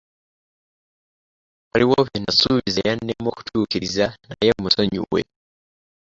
Waliwo bye nasuubiza eyannema okutuukiriza naye munsonyiwe.